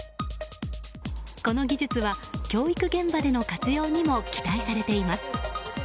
この技術は、教育現場での活用にも期待されています。